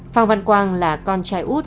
phạm văn quang là con trai út